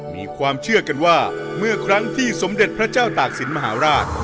มีความเชื่อกันว่าเมื่อครั้งที่สมเด็จพระเจ้าตากศิลปมหาราช